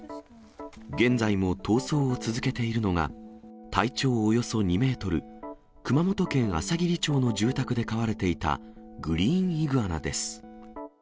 現在も逃走を続けているのが、体長およそ２メートル、熊本県あさぎり町の住宅で飼われていたグリーンイグアナです。